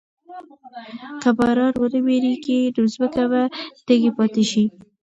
که باران ونه وریږي نو ځمکه به تږې پاتې شي.